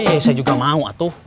eh saya juga mau atuh